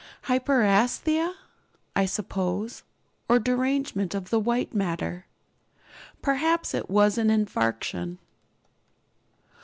'Hyperæsthesia,' I suppose, or derangement of the white matter. Perhaps it was an infarction.